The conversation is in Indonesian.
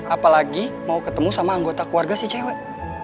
apalagi mau ketemu sama anggota keluarga sih cewek